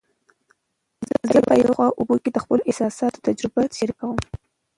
زه په یخو اوبو کې د خپلو احساساتو تجربه شریکوم.